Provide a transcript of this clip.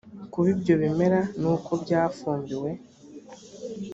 kuba ibyo bimera nuko byafumbiwe